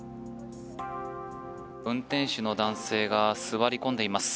運転手の男性が座り込んでいます。